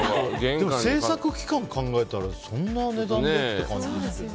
でも制作期間を考えたらそんな値段で？って感じですよね。